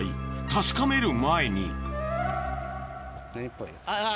確かめる前にあぁ。